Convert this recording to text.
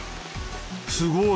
すごい！